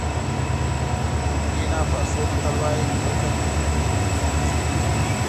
بورکېنا فاسو متل وایي کرکه په بېلتون ختمېږي.